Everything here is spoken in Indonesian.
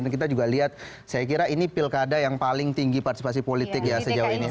dan kita juga lihat saya kira ini pilkada yang paling tinggi partisipasi politik ya sejauh ini